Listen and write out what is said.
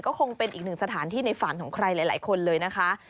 ก็คงเป็นอีกหนึ่งสถานที่ในฝันของใครหลายคนเลยนะคะ